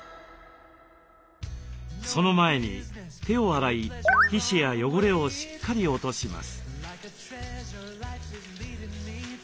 その前に手を洗い皮脂や汚れをしっかり落とします。